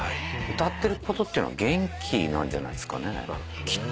歌ってることっていうのは元気なんじゃないですかねきっと。